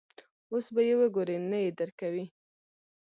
اوس به یې وګورې، نه یې درکوي.